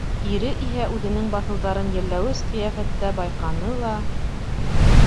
Ире иһә үҙенең баҫыуҙарын йәлләүес ҡиәфәттә байҡаны ла: